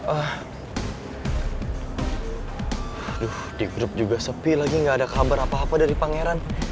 aduh di grup juga sepi lagi gak ada kabar apa apa dari pangeran